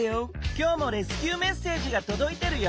今日もレスキューメッセージがとどいてるよ。